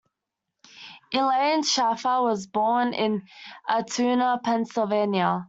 Elaine Shaffer was born in Altoona, Pennsylvania.